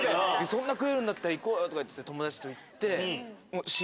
「そんな食えるんだったら行こうよ」とかって友達と行って。